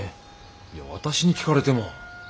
いや私に聞かれても。